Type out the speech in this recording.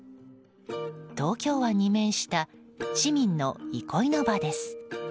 東京湾に面した市民の憩いの場です。